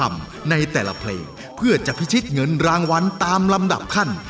รายการต่อไปนี้เป็นรายการทั่วไปสามารถรับชมได้ทุกวัย